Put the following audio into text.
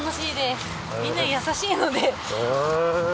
みんな優しいので。